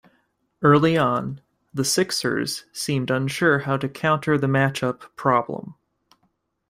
Early on, the Sixers seemed unsure how to counter the matchup problem.